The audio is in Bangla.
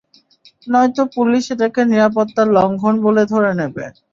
নয়তো পুলিশ এটাকে নিরাপত্তার লঙ্ঘন বলে ধরে নেবে।